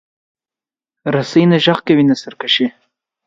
رسۍ نه غږ کوي، نه سرکشي.